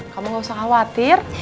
kamu gak usah khawatir